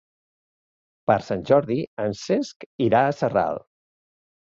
Per Sant Jordi en Cesc irà a Sarral.